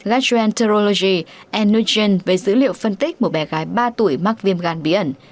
graduate enterology and nutrition về dữ liệu phân tích một bé gái ba tuổi mắc viêm gan bí ẩn